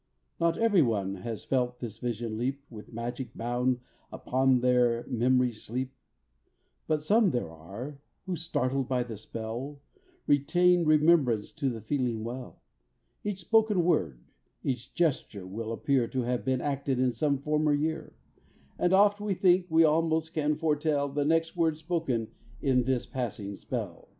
Not ev'ry one has felt this vision leap With magic bound upon their mem'ry's sleep, But some there are, who, startled by the spell, Retain remembrance to the feeling well; Each spoken word, each gesture will appear To have been acted in some former year, And oft we think we almost can foretell The next words spoken in this passing spell.